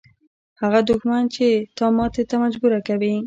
هغه دښمن چې تا ماتې ته مجبوره کوي.